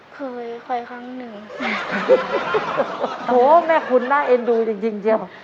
เคยเคยครั้งหนึ่งโอ้แม่คุณน่าเอ็นดูจริงจริงเดียว